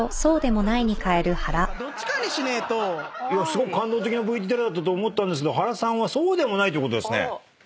すごく感動的なＶＴＲだったと思ったんですけど原さんはそうでもないということですね。